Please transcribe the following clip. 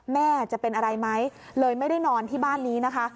แม่จะเป็นอะไรไหมเลยไม่ได้นอนที่บ้านนี้นะคะ